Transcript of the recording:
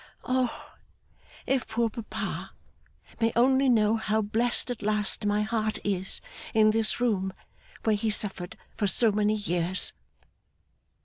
O, if poor papa may only know how blest at last my heart is, in this room where he suffered for so many years!